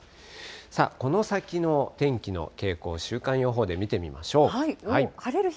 さあ、この先の天気の傾向、週間予報で見てみましょう。